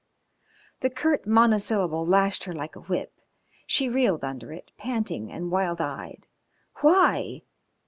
The curt monosyllable lashed her like a whip. She reeled under it, panting and wild eyed. "Why?"